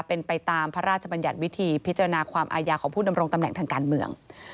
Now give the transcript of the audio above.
เป็นไปตามพระราชบัญญัติวิธีพิจารณาความอาญาของผู้ดำรงตำแหน่งทางการเมือง